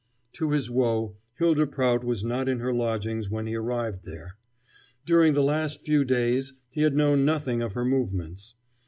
To his woe, Hylda Prout was not in her lodgings when he arrived there. During the last few days he had known nothing of her movements.